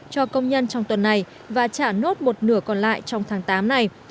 cho công nhân trong tuần này và trả nốt một nửa còn lại trong tháng tám này